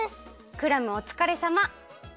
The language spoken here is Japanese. クラムおつかれさま。